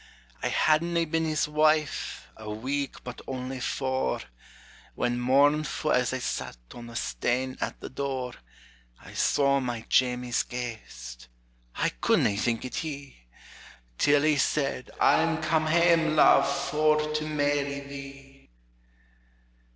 I hadna been his wife, a week but only four, When, mournfu' as I sat on the stane at the door, I saw my Jamie's ghaist I couldna think it he, Till he said, "I'm come hame, love, for to marry thee!"